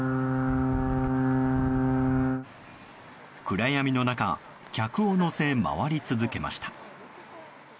暗闇の中、客を乗せ回り続けました。